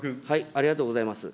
ありがとうございます。